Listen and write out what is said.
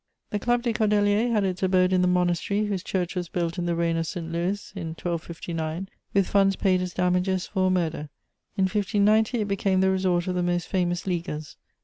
] The Club des Cordeliers had its abode in the monastery, whose church was built in the reign of St Louis, in 1259, with funds paid as damages for a murder: in 1590 it became the resort of the most famous Leaguers.